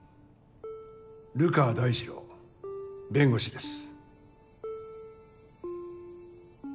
流川大治郎弁護士です。